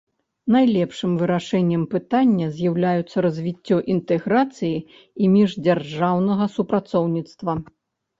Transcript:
Найлепшым вырашэннем пытання з'яўляецца развіццё інтэграцыі і міждзяржаўнага супрацоўніцтва.